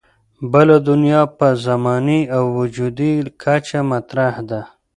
بله دنیا په زماني او وجودي کچه مطرح ده.